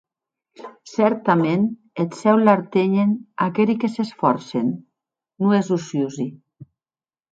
Cèrtament eth Cèu l’artenhen aqueri que s’esfòrcen, non es ociosi.